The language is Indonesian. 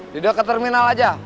dekat terminal aja